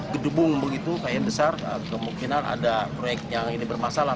gedungbung begitu kain besar kemungkinan ada proyek yang ini bermasalah